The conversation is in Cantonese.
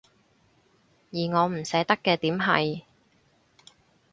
而我唔捨得嘅點係